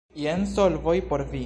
Jen solvoj por vi.